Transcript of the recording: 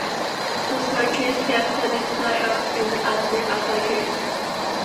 Lower case characters display or print as uppercase.